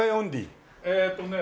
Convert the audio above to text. えーっとね